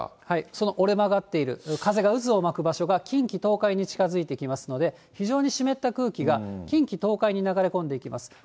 その折れ曲がっている、風が渦を巻く場所が、近畿、東海に近づいてきますので、非常に湿った空気が近畿、東海に流れ込んできます。